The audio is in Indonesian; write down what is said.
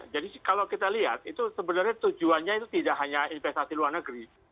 jadi kalau kita lihat itu sebenarnya tujuannya itu tidak hanya investasi luar negeri